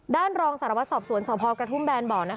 ด้านรองสารวัศสอบสวนสพกแบบแล